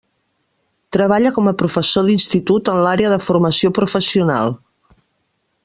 Treballa com a professor d'Institut en l'àrea de formació professional.